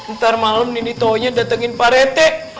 ntar malem nini townya datengin pak rt